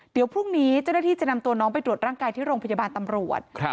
เดี๋ยวพรุ่งนี้เจ้าหน้าที่จะนำตัวน้องไปตรวจร่างกายที่โรงพยาบาลตำรวจ